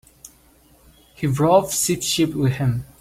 He brought six sheep with him.